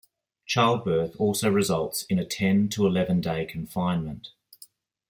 Childbirth also results in a ten to eleven-day confinement.